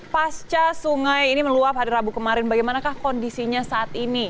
pasca sungai ini meluap hari rabu kemarin bagaimanakah kondisinya saat ini